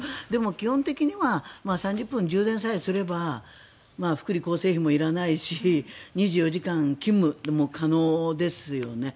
基本的には３０分充電さえすれば福利厚生費もいらないし２４時間勤務も可能ですよね。